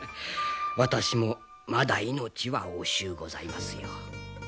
私もまだ命は惜しゅうございますよ。